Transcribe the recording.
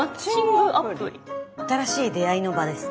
新しい出会いの場です。